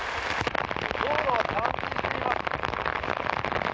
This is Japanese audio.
道路が冠水しています。